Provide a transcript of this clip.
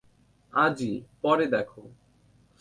আজই, পরে দেখ।